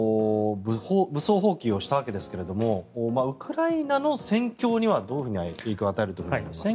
武装蜂起をしたわけですがウクライナの戦況にはどういう影響を与えると思いますか。